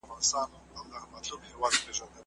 د احمد شاه ابدالي نوم د نړۍ په تاریخ کي څنګه پاته دی؟